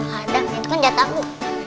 ada kan itu jatahku